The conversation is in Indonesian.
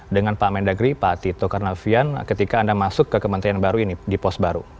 dengan pak mendagri pak tito karnavian ketika anda masuk ke kementerian baru ini di pos baru